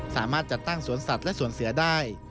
สามารถจัดตั้งสวนสัตว์และสวนเสือได้